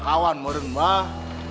setia kawan mau deng mbah